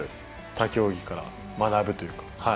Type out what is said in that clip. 他競技から学ぶというか。